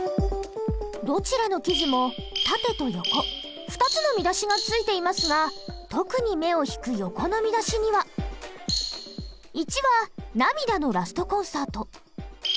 どちらの記事も縦と横２つの見出しがついていますが特に目を引く横の見出しには１は「涙のラストコンサート」。